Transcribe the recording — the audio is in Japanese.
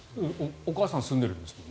お母さん住んでるんですよね？